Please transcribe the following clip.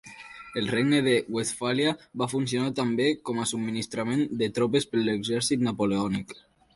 El regne de Westfàlia va funcionar també com a subministrament de tropes per l'exèrcit napoleònic.